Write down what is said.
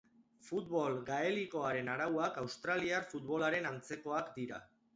Futbol gaelikoaren arauak australiar futbolaren antzekoak dira.